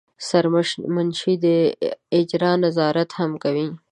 سرمنشي د اجرا نظارت هم کوي.